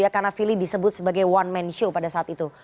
karena firly disebut sebagai one man show pada saat itu